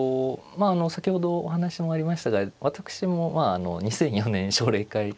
先ほどお話もありましたが私も２００４年奨励会入会でして。